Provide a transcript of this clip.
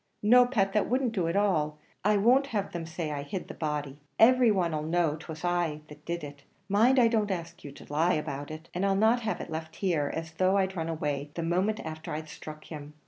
"No, Pat; that wouldn't do at all. I won't have them say I hid the body; every one 'll know 'twas I did it; mind, I don't ask you to tell a lie about it; and I'll not have it left here, as though I'd run away the moment afther I struck him.